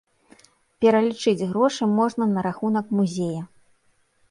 Пералічыць грошы можна на рахунак музея.